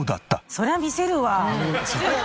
そりゃ見せる。